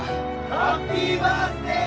ハッピーバースデー！